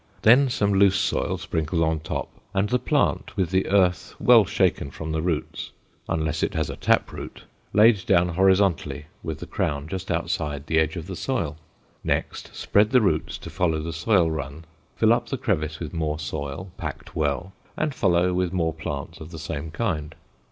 Then some loose soil sprinkled on top, and the plant, with the earth well shaken from the roots, unless it has a tap root, laid down horizontally with the crown just outside the edge of the soil. Next spread the roots to follow the soil run; fill up the crevice with more soil, packed well, and follow with more plants of the same kind.